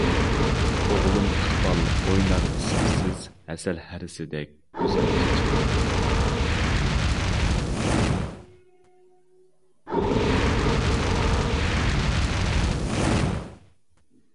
ئوغلۇم ئىقبال ئوينار ئىسىمسىز ھەسەل ھەرىسىدەك گۈزەل چېچىپ.